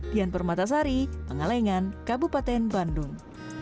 dian permatasari pengalengan kabupaten bandung